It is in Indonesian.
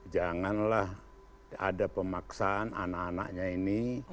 janganlah ada pemaksaan anak anaknya ini